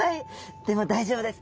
でも大丈夫です。